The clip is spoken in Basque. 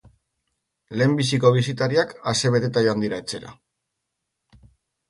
Lehenbiziko bisitariak asebeteta joan dira etxera.